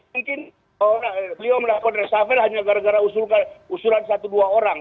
mungkin beliau melakukan resafel hanya gara gara usulan satu dua orang